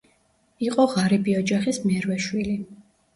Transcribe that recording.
იყო ღარიბი ოჯახის მერვე შვილი.